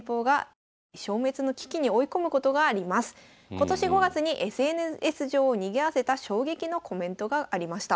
今年５月にＳＮＳ上をにぎわせた衝撃のコメントがありました。